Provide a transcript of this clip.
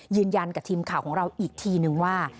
ยืนยันกับทีมข่าวของเราอีกทีนึงว่า